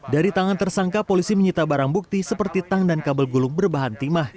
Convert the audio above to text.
dari tangan tersangka polisi menyita barang bukti seperti tang dan kabel gulung berbahan timah